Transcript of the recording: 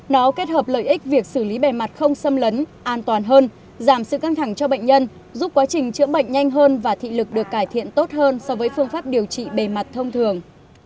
nó kết hợp lợi ích việc xử lý bề mặt không xâm lấn an toàn hơn giảm sự căng thẳng cho bệnh nhân giúp quá trình chữa bệnh nhanh hơn và thị lực được cải thiện tốt hơn so với phương pháp điều trị bề mặt thông thường